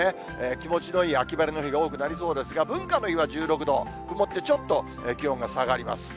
気持ちのいい秋晴れの日が多くなりそうですが、文化の日は１６度、雲ってちょっと気温が下がります。